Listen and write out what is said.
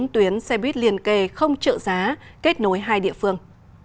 bốn tuyến xe buýt liền kề không trợ giá kết nối hai địa phương